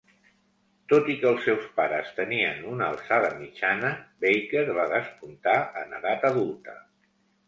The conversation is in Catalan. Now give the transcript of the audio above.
Tot i que els seus pares tenien una alçada mitjana, Baker va despuntar en edat adulta.